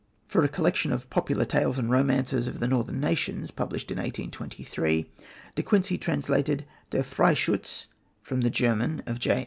For a collection of Popular Tales and Romances of the Northern Nations, published in 1823, De Quincey translated Der Freischütz from the German of J.